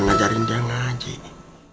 mengajarin jangan aja ini